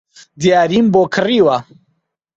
دیاریم بۆ کڕیوە